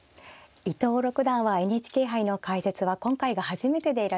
伊藤六段はＮＨＫ杯の解説は今回が初めてでいらっしゃいますね。